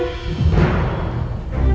nanti kita ke rumah